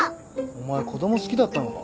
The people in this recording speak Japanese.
お前子供好きだったのか。